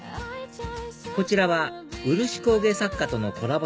こちらは漆工芸作家とのコラボ